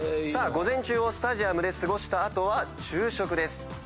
さあ午前中をスタジアムで過ごした後は昼食です。